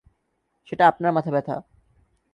সেটা আপনার মাথা ব্যাথা।